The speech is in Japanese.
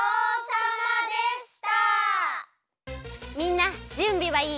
みんなじゅんびはいい？